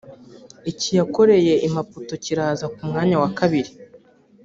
iki yakoreye i Maputo kiraza ku mwanya wa kabiri